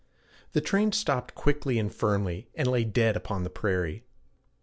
The train stopped quickly and firmly, and lay dead upon the prairie.